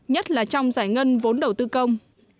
nhất là trong giải ngân vốn đầu tư công